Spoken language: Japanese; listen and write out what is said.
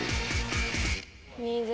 ２０。